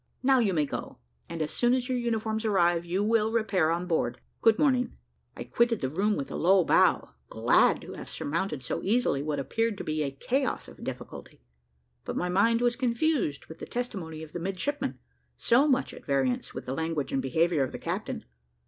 Now you may go, and as soon as your uniforms arrive, you will repair on board. Good morning." I quitted the room with a low bow, glad to have surmounted so easily what appeared to be a chaos of difficulty; but my mind was confused with the testimony of the midshipman, so much at variance with the language and behaviour of the captain.